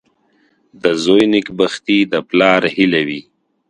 • د زوی نېکبختي د پلار هیله وي.